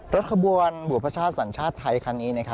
รถขบวนบวชพระชาติสัญชาติไทยคันนี้